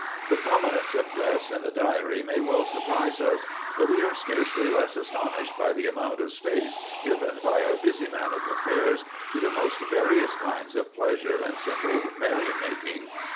The prominence of dress in the Diary may well surprise us, but we are scarcely less astonished by the amount of space given by our busy man of affairs to the most various kinds of pleasure and simple merrymaking.